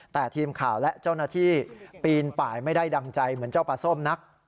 แต่ทีมข่าวและเจ้าหน้าที่ปีนป่ายไม่ได้ดังใจเหมือนเจ้าปลาส้มนัก